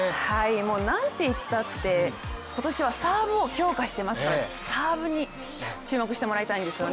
もうなんていったって今年はサーブを強化してますからサーブに注目してもらいたいんですよね。